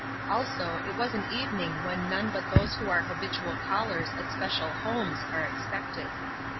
Also it was an evening when none but those who are habitual callers at special homes are expected.